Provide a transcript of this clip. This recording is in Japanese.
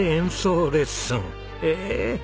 ええ！